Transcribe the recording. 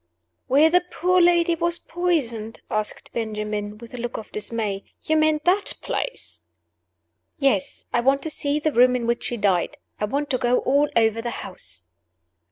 "Where the poor lady was poisoned?" asked Benjamin, with a look of dismay. "You mean that place?" "Yes. I want to see the room in which she died; I want to go all over the house."